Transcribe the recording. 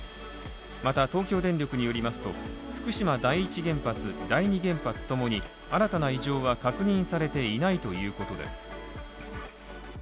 また、東京電力によりますと福島第一原発・第二原発ともに新たな異常は確認されていないということです。